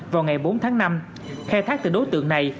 vào ngày bốn tháng năm khai thác từ đối tượng này